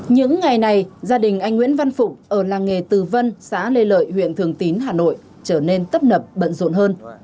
những ngày này gia đình anh nguyễn văn phụng ở làng nghề từ vân xã lê lợi huyện thường tín hà nội trở nên tấp nập bận rộn hơn